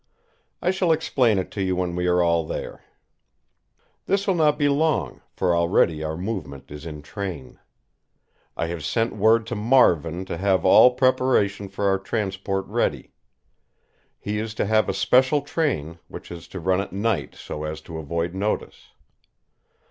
I shall explain it to you when we are all there. This will not be long, for already our movement is in train. I have sent word to Marvin to have all preparation for our transport ready. He is to have a special train, which is to run at night so as to avoid notice.